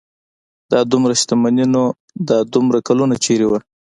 دا دومره شتمني نو دا دومره کلونه چېرې وه.